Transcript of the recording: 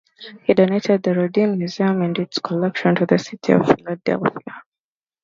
He donated the Rodin Museum and its collection to the city of Philadelphia.